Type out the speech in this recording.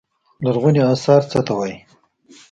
لرغوني اثار څه ته وايي.